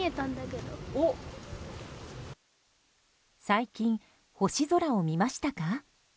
最近、星空を見ましたか？